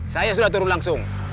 saya sudah turun langsung